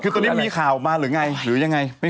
ปเจมส์คือตรงนี้มีข่าวมาหรือยังไงหรือยังไงไม่เข้าใจ